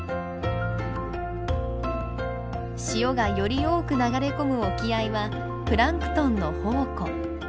潮がより多く流れ込む沖合はプランクトンの宝庫。